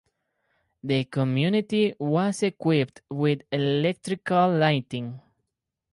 The community was equipped with electrical lighting.